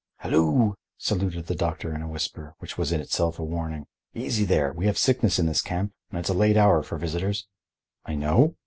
"Halloo!" saluted the doctor in a whisper, which was in itself a warning. "Easy there! We have sickness in this camp and it's a late hour for visitors." "I know?"